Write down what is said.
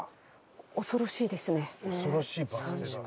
恐ろしいですね。